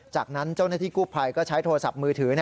จากนั้นเจ้าหน้าที่กู้ภัยก็ใช้โทรศัพท์มือถือ